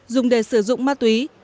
dùng để sử dụng ma túy